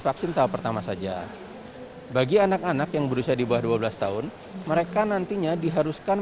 vaksin tahap pertama saja bagi anak anak yang berusia di bawah dua belas tahun mereka nantinya diharuskan